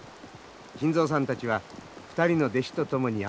金蔵さんたちは２人の弟子と共に山に入りました。